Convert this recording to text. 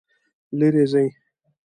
لیرې ځئ